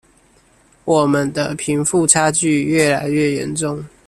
我們的貧富差距越來越嚴重